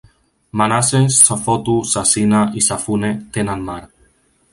Manase, Safotu, Sasina i Safune tenen mar.